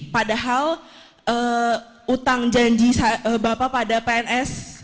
padahal utang janji bapak pada pns